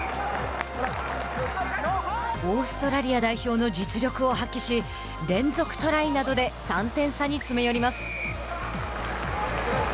オーストラリア代表の実力を発揮し連続トライなどで３点差に詰め寄ります。